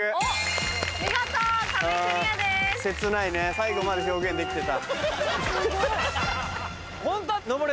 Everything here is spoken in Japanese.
最後まで表現できてた。